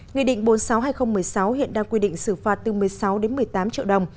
nghị định bốn trăm sáu mươi hai nghìn một mươi sáu hiện đang quy định xử phạt từ một mươi sáu đến một mươi tám triệu đồng